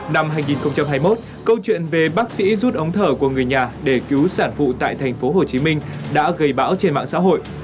năm hai nghìn hai mươi một câu chuyện về bác sĩ rút ống thở của người nhà để cứu sản phụ tại tp hcm đã gây bão trên mạng xã hội